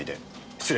失礼。